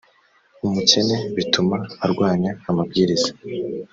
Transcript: umukene bituma arwanya amabwiriza